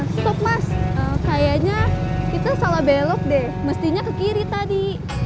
stop mas kayaknya kita salah belok deh mestinya ke kiri tadi